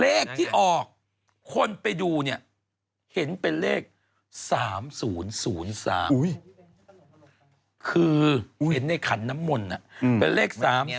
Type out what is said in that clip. เลขที่ออกคนไปดูเนี่ยเห็นเป็นเลข๓๐๐๓คือเห็นในขันน้ำมนต์เป็นเลข๓